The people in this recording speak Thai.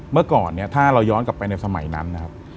เมื่อก่อนเนี่ยถ้าเราย้อนกลับไปในสมัยนั้นนะครับ